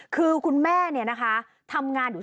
คือคุณแม่เนี่ยนะคะทำงานอยู่